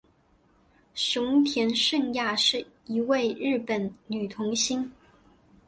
熊田圣亚是一位日本女童星。